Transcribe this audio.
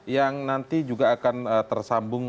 yang nanti juga akan tersambung